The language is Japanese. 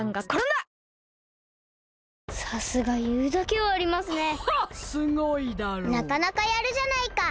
なかなかやるじゃないか。